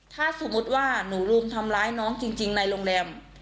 ถ้าสมมุติว่าหนูรุมทำร้ายน้องจริงในโรงแรม